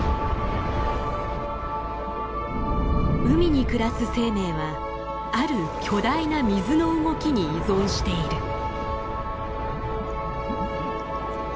海に暮らす生命はある巨大な水の動きに依存している。